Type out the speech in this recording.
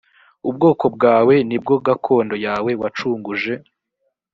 ubwoko bwa we ni bwo gakondo yawe wacunguje.